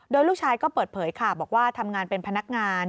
โดยลูกชายก็เปิดเผยค่ะบอกว่าทำงานเป็นพนักงาน